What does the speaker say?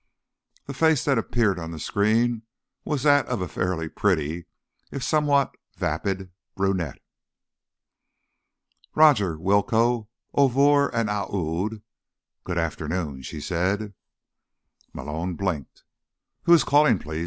The face that appeared on the screen was that of a fairly pretty, if somewhat vapid, brunette. "Rodger, Willcoe, O'Vurr and Aoud, good afternoon," she said. Malone blinked. "Who is calling, please?"